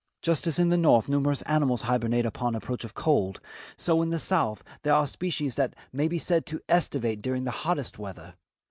Just as in the north numerous animals hibernate upon approach of cold, so in the south there are species that may be said to estivate during the hottest weather.